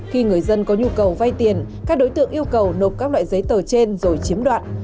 khi người dân có nhu cầu vay tiền các đối tượng yêu cầu nộp các loại giấy tờ trên rồi chiếm đoạt